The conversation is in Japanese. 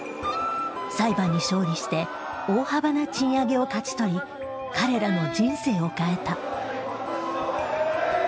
裁判に勝利して大幅な賃上げを勝ち取り彼らの人生を変えた。